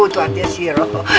tuh artinya sih roh